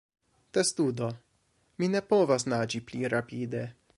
Testudo: "Mi ne povas naĝi pli rapide!"